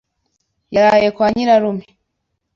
Yaraye kwa nyirarume.